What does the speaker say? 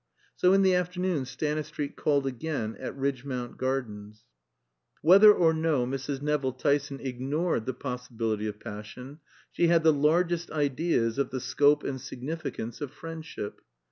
So in the afternoon Stanistreet called again at Ridgmount Gardens. Whether or no Mrs. Nevill Tyson ignored the possibility of passion, she had the largest ideas of the scope and significance of friendship.